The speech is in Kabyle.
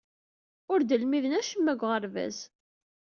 Ur d-lmidem acemma deg uɣerbaz.